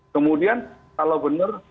kemudian kalau benar